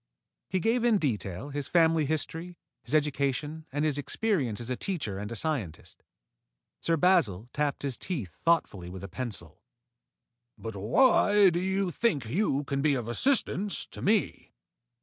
He gave in detail his family history, his education, and his experience as a teacher and a scientist. Sir Basil tapped his teeth thoughtfully with a pencil. "But why do you think you can be of assistance to me?"